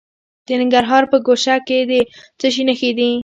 د ننګرهار په ګوشته کې د څه شي نښې دي؟